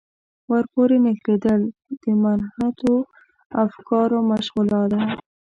ورپورې نښلېدل د منحطو افکارو مشغولا ده.